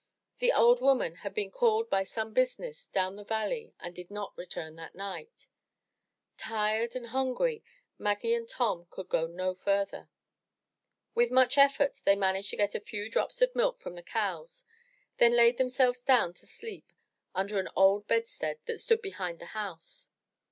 The old woman had been called by some business down the valley and did not return that night. Tired and hungry, Maggie 373 M Y BOOK HOUSE and Tom could go no further. With much effort they managed to get a few drops of milk from the cows, then laid themselves down to sleep under an old bedstead that stood behind the house.